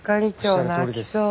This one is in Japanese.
おっしゃるとおりです。